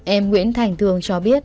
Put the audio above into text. em nguyễn thành thương cho biết